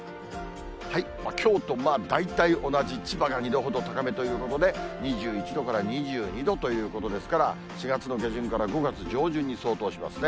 きょうと大体同じ、千葉が２度ほど高めということで、２１度から２２度ということですから、４月の下旬から５月上旬に相当しますね。